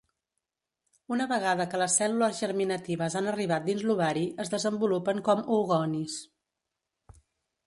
Una vegada que les cèl·lules germinatives han arribat dins l'ovari es desenvolupen com oogonis.